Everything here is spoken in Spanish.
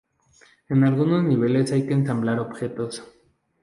En algunos niveles hay que ensamblar objetos.